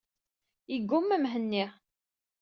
Yegguma Mhenni.